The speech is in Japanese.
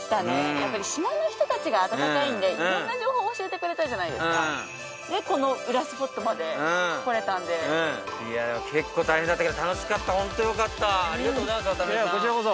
やっぱり島の人たちが温かいんでいろんな情報教えてくれたじゃないですかでこのウラスポットまで来れたんでいや結構大変だったけど楽しかったホントよかったありがとうございます渡邊さん